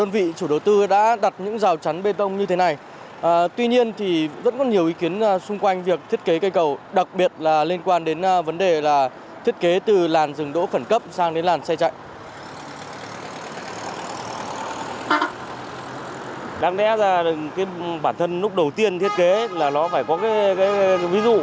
phóng viên truyền hình công an nhân dân đã đưa ra một bản thân lúc đầu tiên thiết kế là nó phải có cái ví dụ